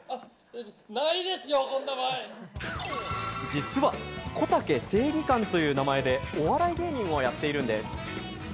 実は、こたけ正義感という名前でお笑い芸人をやっているんです。